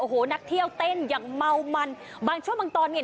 โอ้โหนักเที่ยวเต้นอย่างเมามันบางช่วงบางตอนเนี่ย